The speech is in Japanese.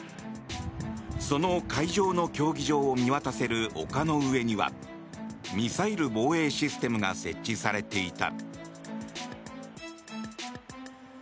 その会場の競技場を見渡せる丘の上にはミサイル防衛システムが設置されていた。